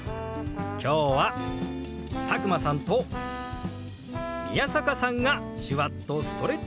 今日は佐久間さんと宮坂さんが手話っとストレッチ！